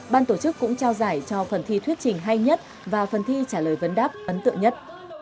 ban tổ chức cũng trao giải cho phần thi thuyết trình hay nhất và phần thi trả lời vấn đáp ấn tượng nhất